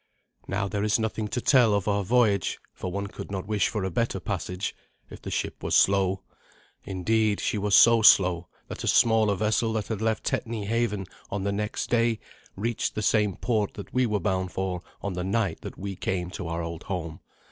Now there is nothing to tell of our voyage, for one could not wish for a better passage, if the ship was slow. Indeed, she was so slow that a smaller vessel that left Tetney haven on the next day reached the same port that we were bound for on the night that we came to our old home.